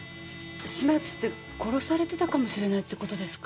始末って殺されてたかもしれないって事ですか？